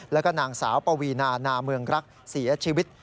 แล้วก็นางสาวปวีนานาเมืองรักเสียชีวิต